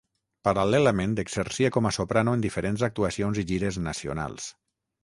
Paral·lelament, exercia com a soprano en diferents actuacions i gires nacionals.